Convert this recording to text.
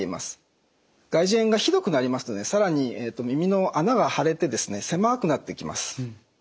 外耳炎がひどくなりますと更に耳の穴が腫れて狭くなってきます。